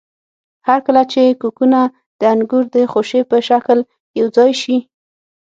هرکله چې کوکونه د انګور د خوشې په شکل یوځای شي.